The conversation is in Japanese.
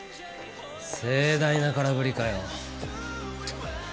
盛大な空振りかよ。